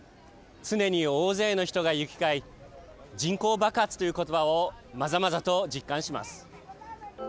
常に大勢の人が行き交い人口爆発という言葉をまざまざと実感します。